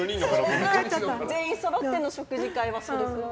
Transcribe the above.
全員そろっての食事会はそれぐらい。